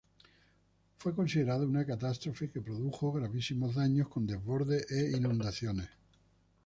Fue considerado una catástrofe que produjo gravísimos daños, con desbordes e inundaciones.